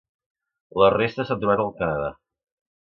Les restes s'han trobat al Canadà.